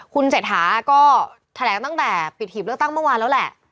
คุณเศรษฐาก็แถลงตั้งแต่ปิดหีบเลือกตั้งเมื่อวานแล้วแหละ